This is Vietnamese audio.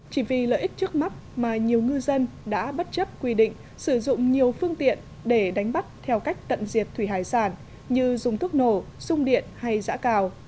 chỉ vì lợi ích trước mắt mà nhiều ngư dân đã bất chấp quy định sử dụng nhiều phương tiện để đánh bắt theo cách tận diệt thủy hải sản như dùng thuốc nổ sung điện hay giã cào